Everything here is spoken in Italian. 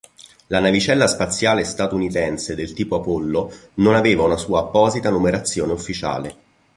La navicella spaziale statunitense del tipo Apollo non aveva una sua apposita numerazione ufficiale.